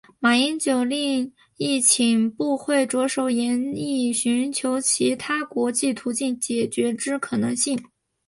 马英九另亦请部会着手研议寻求其他国际途径解决之可行性。